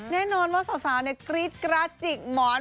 แน่นอนว่าสาวสาวเนี่ยกรีดกระจิกหมอน